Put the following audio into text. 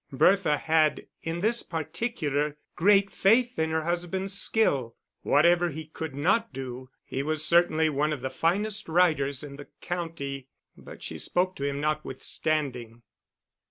Bertha had in this particular great faith in her husband's skill. Whatever he could not do, he was certainly one of the finest riders in the county; but she spoke to him notwithstanding.